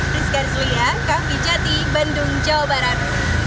rizky arsulia kampi jati bandung jawa barat